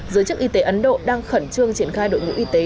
giới chức y tế ấn độ đang khẩn trương triển khai đội ngũ y tế